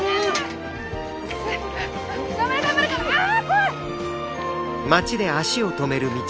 あ！